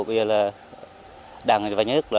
bây giờ là đảng và nhà nước